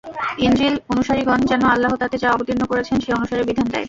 ইনজীল অনুসারীগণ যেন আল্লাহ তাতে যা অবতীর্ণ করেছেন, সে অনুসারে বিধান দেয়।